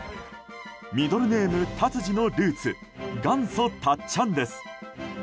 ミドルネーム、達治のルーツ元祖たっちゃんです。